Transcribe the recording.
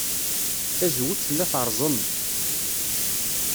Tazewwut tella terẓem.